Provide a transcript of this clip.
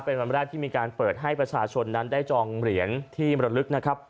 เป็นวันแรกที่มีการเปิดให้ประชาชนนั้นได้จองเหรียญที่มรลึกนะครับ